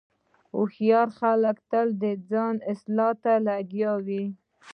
هوښیار انسان تل د ځان اصلاح ته لګیا وي.